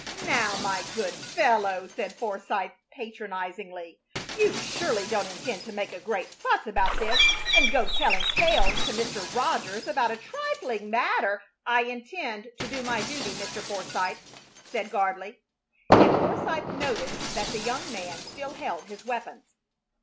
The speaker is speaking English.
"Now, my good fellow," said Forsythe, patronizingly, "you surely don't intend to make a great fuss about this and go telling tales to Mr. Rogers about a trifling matter " "I intend to do my duty, Mr. Forsythe," said Gardley; and Forsythe noticed that the young man still held his weapons.